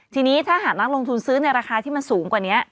ทีนี้ถ้าหากนักลงทุนซื้อในราคาที่มันสูงกว่านี้